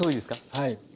はい。